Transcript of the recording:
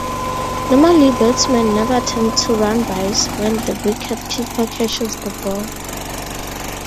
Normally batsmen never attempt to run byes when the wicket-keeper catches the ball.